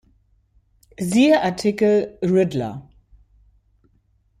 Siehe Artikel: Riddler.